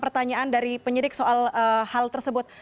pertanyaan dari penyidik soal hal tersebut